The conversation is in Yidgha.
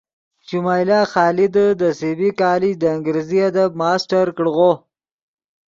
شمائلہ خادے دے سی بی کالج دے انگریزی ادب ماسٹر کڑغو